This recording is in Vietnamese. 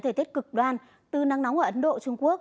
thời tiết cực đoan từ nắng nóng ở ấn độ trung quốc